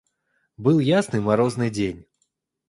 Был ясный морозный день.